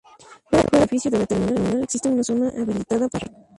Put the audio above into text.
Fuera del edificio de la terminal existe una zona habilitada para rezar.